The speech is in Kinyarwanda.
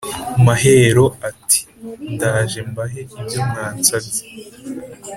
Mahero ati: ndaje mbahe ibyo mwansabye